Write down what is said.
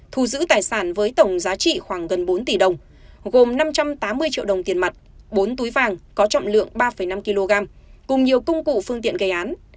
thu giữ tài sản với tổng giá trị khoảng gần bốn tỷ đồng gồm năm trăm tám mươi triệu đồng tiền mặt bốn túi vàng có trọng lượng ba năm kg cùng nhiều công cụ phương tiện gây án